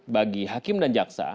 bagi hakim dan jaksa